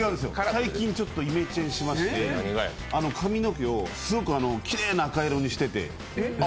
最近ちょっとイメチェンしまして髪の毛をすごくきれいな赤色にしてて。